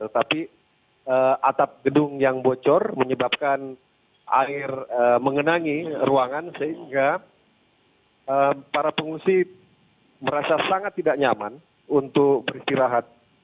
tetapi atap gedung yang bocor menyebabkan air mengenangi ruangan sehingga para pengungsi merasa sangat tidak nyaman untuk beristirahat